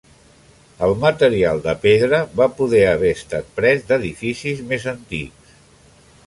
El material de pedra va poder haver estat pres d'edificis més antics.